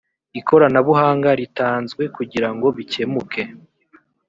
ikoranabuhanga ritanzwe kugira ngo bikemuke